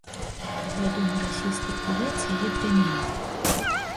Вядомы расійскі плывец яе пляменнік.